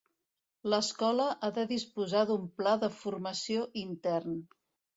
L'escola ha de disposar d'un pla de formació intern.